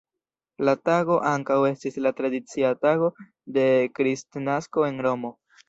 La tago ankaŭ estis la tradicia tago de Kristnasko en Romo.